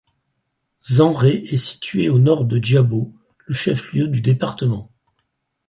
Zanré est situé à au Nord de Diabo, le chef-lieu du département.